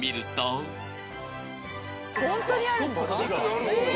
ホントにあるんですか？